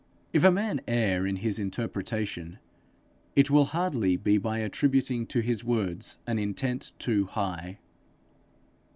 If a man err in his interpretation, it will hardly be by attributing to his words an intent too high.